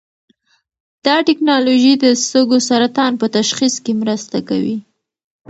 دا ټېکنالوژي د سږو سرطان په تشخیص کې مرسته کوي.